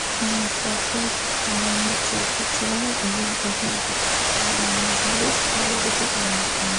সংস্পর্শের কারণে তীব্র চোখ জ্বালা এবং ত্বকের মাঝারি ক্ষয় হতে পারে।